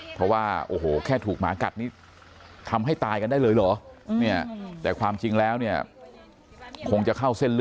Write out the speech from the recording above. เพราะว่าโอ้โหแค่ถูกหมากัดนี่ทำให้ตายกันได้เลยเหรอ